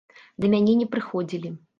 Да мяне не прыходзілі.